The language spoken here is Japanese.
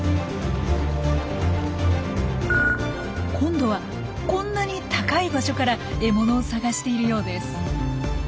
今度はこんなに高い場所から獲物を探しているようです。